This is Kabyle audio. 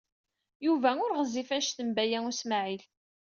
Yuba ur ɣezzif anect n Baya U Smaɛil.